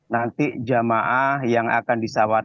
nanti jamaah yang akan disawat